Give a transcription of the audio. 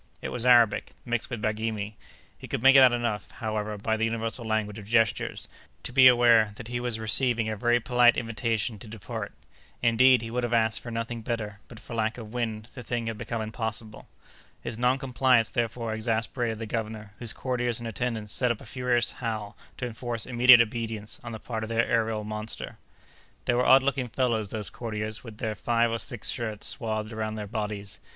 It was Arabic, mixed with Baghirmi. He could make out enough, however, by the universal language of gestures, to be aware that he was receiving a very polite invitation to depart. Indeed, he would have asked for nothing better, but for lack of wind, the thing had become impossible. His noncompliance, therefore, exasperated the governor, whose courtiers and attendants set up a furious howl to enforce immediate obedience on the part of the aërial monster. They were odd looking fellows those courtiers, with their five or six shirts swathed around their bodies!